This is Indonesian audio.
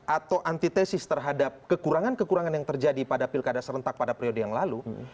atau antitesis terhadap kekurangan kekurangan yang terjadi pada pilkada serentak pada periode yang lalu